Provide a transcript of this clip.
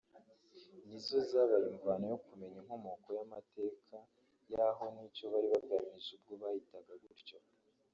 nizo zabaye imvano yo kumenya inkomoko y’amateka y’aho n’icyo bari bagamije ubwo bahitaga gutyo